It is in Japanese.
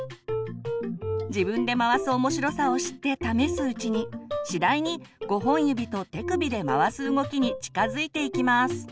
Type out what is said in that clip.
自分で回す面白さを知って試すうちに次第に５本指と手首で回す動きに近づいていきます。